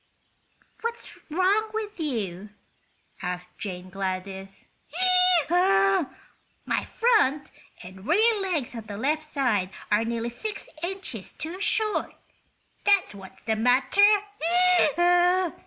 "What's wrong with you?" asked Jane Gladys. "My front and rear legs on the left side are nearly six inches too short, that's what's the matter!